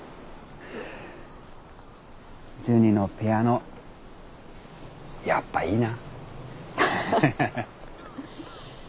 ジュニのピアノやっぱいいな。